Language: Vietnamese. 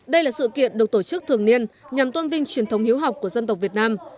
đây là sự kiện được tổ chức thường niên nhằm tôn vinh truyền thống hiếu học của dân tộc việt nam